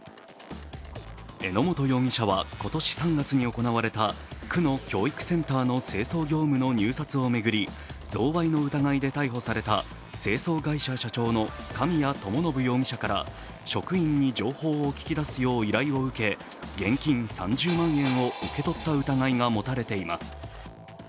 榎本容疑者は今年３月に行われた区の教育センターの清掃業務の入札を巡り贈賄の疑いで逮捕された清掃会社社長の神谷知伸容疑者から職員に情報を聞き出すよう依頼を受け現金３０万円を受け取った疑いが持たれています。